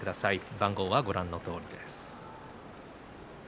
番号はご覧のとおりです。